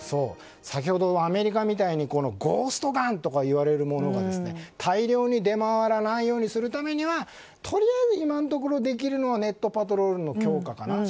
先ほどのアメリカみたいにゴーストガンといわれるものが大量に出回らないようにするためにはとりあえず今のところできるのはネットパトロールの強化かなと。